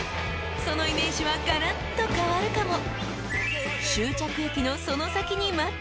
そのイメージはがらっと変わるかも］